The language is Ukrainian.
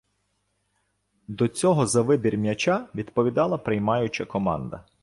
До цього за вибір м'яча відповідала приймаюча команда.